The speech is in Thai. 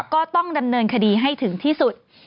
ก็ต้องดำเนินคดีให้ถึงที่สุด